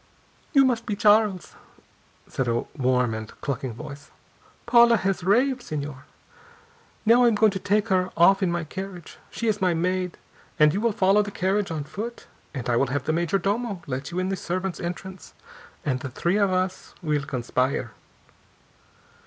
"You must be Charles!" said a warm and cluckling voice. "Paula has raved, Señor. Now I am going to take her off in my carriage. She is my maid. And you will follow the carriage on foot and I will have the major domo let you in the servants' entrance, and the three of us will conspire."